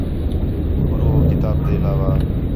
گُرو ہو کتاب تے علاوہ